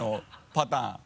パターン。